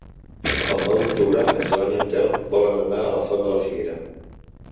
El nou d'octubre en Joan i en Telm volen anar a la Font de la Figuera.